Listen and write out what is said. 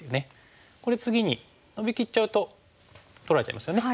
これ次にノビきっちゃうと取られちゃいますよね。